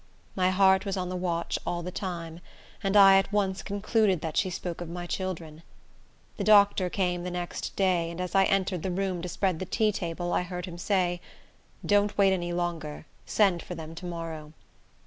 My heart was on the watch all the time, and I at once concluded that she spoke of my children. The doctor came the next day, and as I entered the room to spread the tea table, I heard him say, "Don't wait any longer. Send for them to morrow."